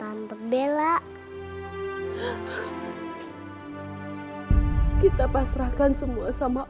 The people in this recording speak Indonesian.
atau kamu bisa reda reda seperti ma'am je guk nyerima gista dua